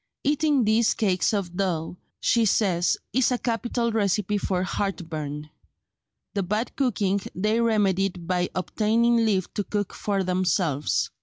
"Eating these cakes of dough," she says, "is a capital recipe for heartburn." The bad cooking they remedied by obtaining leave to cook for themselves.